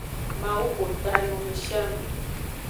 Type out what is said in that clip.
Mawu xo ta no nushianu.